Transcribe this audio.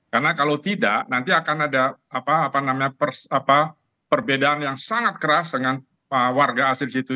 karena kalau tidak nanti akan ada apa namanya perbedaan yang sangat keras dengan warga asli di situ